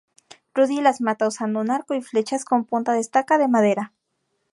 Rudy las mata usando un arco y flechas con punta de estaca de madera.